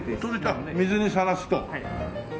あっ水にさらすと。